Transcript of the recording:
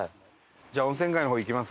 じゃあ温泉街の方行きます？